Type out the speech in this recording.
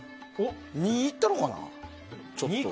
２いったろうかな。